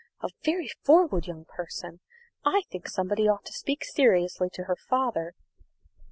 "A very forward young person! I think somebody ought to speak seriously to her father."